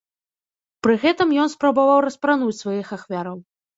Пры гэтым ён спрабаваў распрануць сваіх ахвяраў.